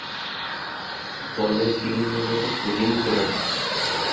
দলে তিনি মূলতঃ বোলিং করে থাকেন।